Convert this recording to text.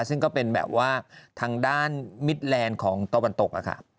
ซึ่งก็เป็นแบบว่าทางด้านมิดแลนด์ของตะวันตก